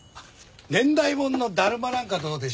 年代物のダルマなんかどうでしょう？